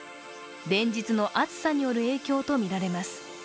連日の暑さによる影響とみられます。